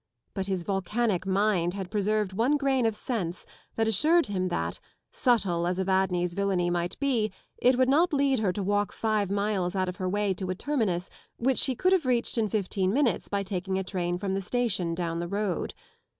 But his volcanic mind had preserved one grain of sense that assured him that, subtle as Evadne's villainy might be, it would not lead her to walk five miles out of her way to a terminus which she could have reached in fifteen minutes by taking a train from the station down the road.